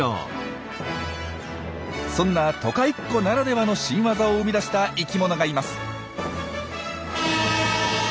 そんな都会っ子ならではの新ワザを生み出した生きものがいます。